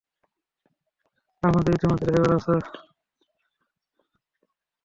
আমাদের ইতোমধ্যে ড্রাইভার আছে।